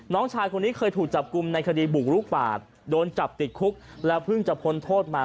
น้องชายคนนี้เคยถูกจับกลุ่มในคดีบุกลุกป่าโดนจับติดคุกแล้วเพิ่งจะพ้นโทษมา